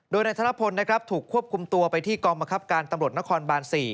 โดยนายธนพลนะครับถูกควบคุมตัวไปที่กองบังคับการตำรวจนครบาน๔